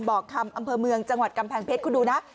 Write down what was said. บอกคำอำเภอเมืองจังหวัดกำแพงเพชรคุณดูนะ